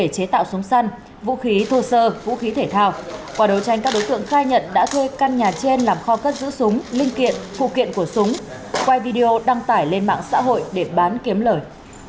quay đầu tranh các đối tượng khai nhận đã thuê căn nhà trên làm kho cất giữ súng linh kiện phụ kiện của súng quay video đăng tải lên mạng xã hội để bán kiếm lời